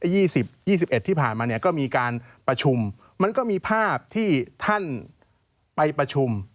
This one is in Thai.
ยี่สิบยี่สิบเอ็ดที่ผ่านมาเนี่ยก็มีการประชุมมันก็มีภาพที่ท่านไปประชุม